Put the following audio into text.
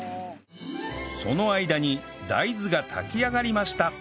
その間に大豆が炊き上がりました